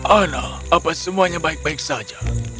ana apa semuanya baik baik saja